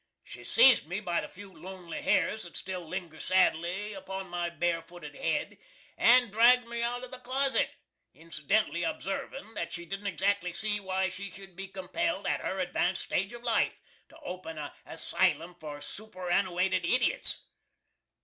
She seized me by the few lonely hairs that still linger sadly upon my bare footed hed, and dragged me out of the closet, incidentally obsarving that she didn't exactly see why she should be compelled, at her advanced stage of life, to open a assylum for sooperanooated idiots.